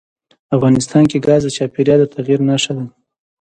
افغانستان کې ګاز د چاپېریال د تغیر نښه ده.